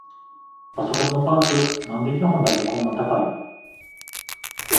パソコンのパーツ、なんで日本だけこんな高いの？